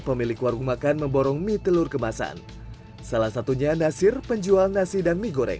pemilik warung makan memborong mie telur kemasan salah satunya nasir penjual nasi dan mie goreng